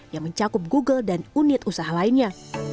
yang mencakup google dan unit usaha lainnya